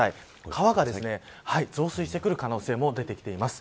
川が増水してくる可能性も出てきています。